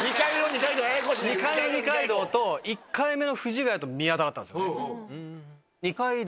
２回目の二階堂と１回目の藤ヶ谷と宮田だったんですよ。